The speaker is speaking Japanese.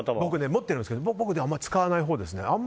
持ってるんですけど僕、あまり使わないですね。